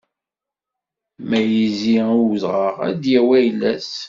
Ma izzi i udɣaɣ, ad d-yawi ayla-s.